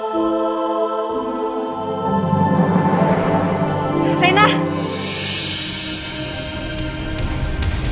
tiba di bawah itu ada bagusnya